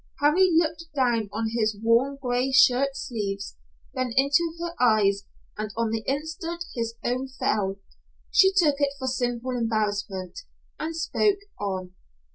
Harry looked down on his worn gray shirt sleeves, then into her eyes, and on the instant his own fell. She took it for simple embarrassment, and spoke on.